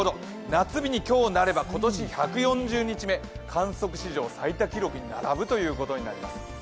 夏日になれば今年１４０日目、観測史上最多記録に並ぶということになります。